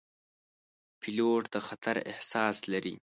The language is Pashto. پیلوټ د خطر احساس لري.